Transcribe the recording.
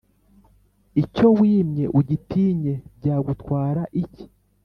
Icyo wimwe ugitinye byagutwara iki”